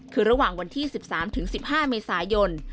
คือระหว่างวันที่๑๓๑๕เมษายน